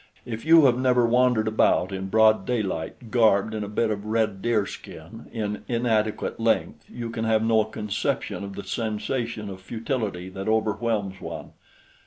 If you have never wandered about in broad daylight garbed in a bit of red deer skin in inadequate length, you can have no conception of the sensation of futility that overwhelms one.